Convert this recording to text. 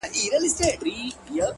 چي په كالو بانـدې زريـــن نه ســـمــه،